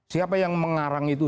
siapa yang mengarang itu